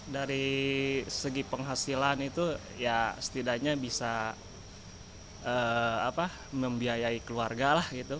dari segi penghasilan itu ya setidaknya bisa membiayai keluarga lah gitu